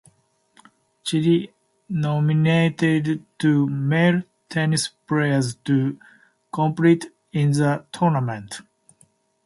Chile nominated two male tennis players to compete in the tournament.